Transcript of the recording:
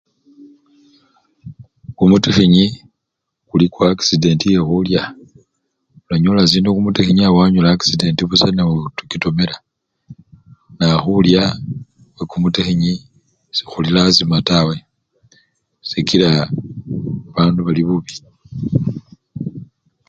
Kumutikhinyi kuli axidenti yekhulya, nonyola syekhulya kumutikhinyi notomela busa nokilya, naa khulya khwekumutikhinyi sekuli lazima taa sikila bandu bali bubi.